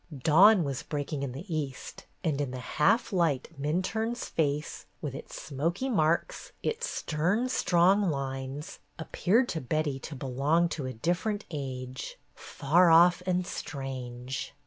Dawn was breaking in the east, and in the half light Minturne's face, with its smoky marks, its stern strong lines, appeared to Betty to belong to a different age, far off and strange.